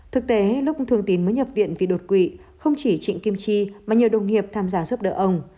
thực tế lúc thường tín mới nhập viện vì đột quỵ không chỉ trịnh kim chi mà nhiều đồng nghiệp tham gia giúp đỡ ông